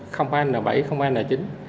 không phải là n bảy không phải là n chín